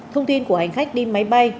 thông tin của hành khách đi máy bay